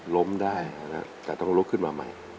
ล้มได้แต่ต้องลุกขึ้นมาใหม่